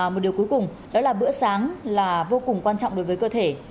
một điều cuối cùng đó là bữa sáng là vô cùng quan trọng đối với cơ thể